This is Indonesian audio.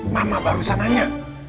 mama baru sananya